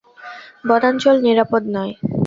বনাঞ্চল নিরাপদ নয়।